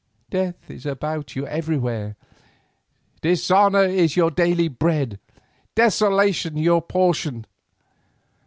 Death is about you everywhere, dishonour is your daily bread, desolation is your portion.